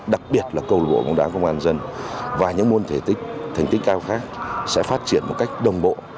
đặc biệt là cầu lũa bóng đá công an nhân dân và những môn thành tích cao khác sẽ phát triển một cách đồng bộ